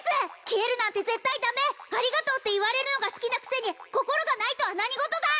消えるなんて絶対ダメありがとうって言われるのが好きなくせに心がないとは何事だ！